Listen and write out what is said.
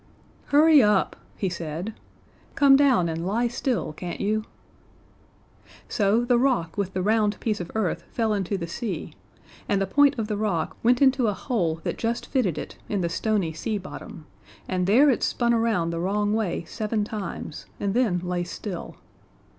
"Hurry up," he said. "Come down and lie still, can't you?" So the rock with the round piece of earth fell into the sea, and the point of the rock went into a hole that just fitted it in the stony sea bottom, and there it spun around the wrong way seven times and then lay still.